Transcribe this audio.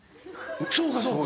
そうかそうか。